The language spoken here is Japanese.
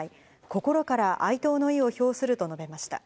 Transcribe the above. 心から哀悼の意を表すると述べました。